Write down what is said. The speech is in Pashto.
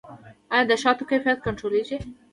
آیا د شاتو کیفیت کنټرولیږي؟